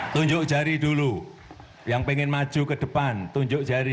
tunjuk jari dulu yang ingin maju ke depan tunjuk jari